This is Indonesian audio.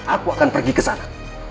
aku akan pergi kesana